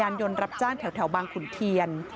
ยนต์รับจ้างแถวบางขุนเทียน